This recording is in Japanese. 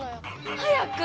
早く！